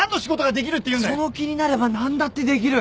その気になれば何だってできる。